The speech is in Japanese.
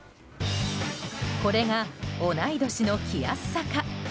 これが同い年の気安さか。